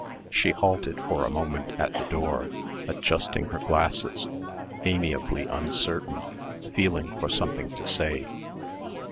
She halted for a moment at the door, adjusting her glasses, amiably uncertain, feeling for something to say.